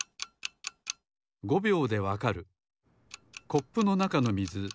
コップのなかのみず